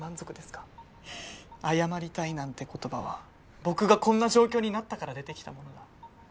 「謝りたい」なんて言葉は僕がこんな状況になったから出てきたものだ。